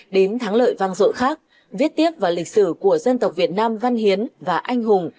đến thắng lợi vang dội khác viết tiếp vào lịch sử của dân tộc việt nam văn hiến và anh hùng